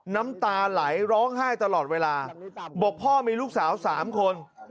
น้ำตาไหลร้องไห้ตลอดเวลาบอกพ่อมีลูกสาว๓คน